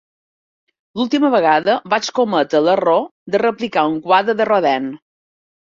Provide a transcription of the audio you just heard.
L'última vegada vaig cometre l'error de replicar un quadre de Rodin.